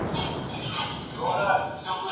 او کيسه نه ختمېده